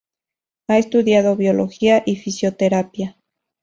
Ha estudiado biología y fisioterapia.